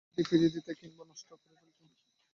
তিনি সেটি ফিরিয়ে দিতেন কিংবা নষ্ট করে ফেলতেন।